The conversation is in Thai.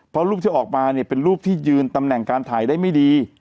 เพราะรูปที่ออกมาเนี่ยเป็นรูปที่ยืนตำแหน่งการถ่ายได้ไม่ดี